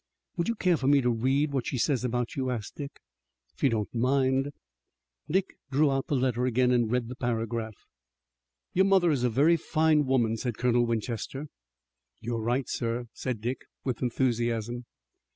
"Would you care for me to read what she says about you?" asked Dick. "If you don't mind." Dick drew out the letter again and read the paragraph. "Your mother is a very fine woman," said Colonel Winchester. "You're right, sir," said Dick with enthusiasm.